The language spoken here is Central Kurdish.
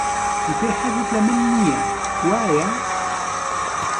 ئیتر حەزت لە من نییە، وایە؟